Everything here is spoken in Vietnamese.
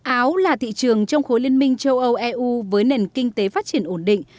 áo là thị trường trong khối liên minh châu âu eu với nền kinh tế phát triển ổn định